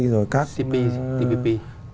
rồi các cptpp